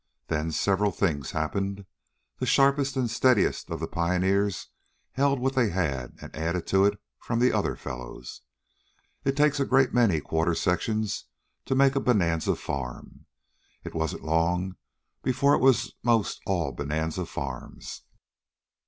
Then several things happened. The sharpest and steadiest of the pioneers held what they had and added to it from the other fellows. It takes a great many quarter sections to make a bonanza farm. It wasn't long before it was 'most all bonanza farms."